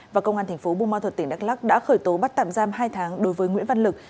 và công an tp bumal thuật tỉnh đắk lắc đã khởi tố bắt tạm giam hai tháng đối với nguyễn văn lực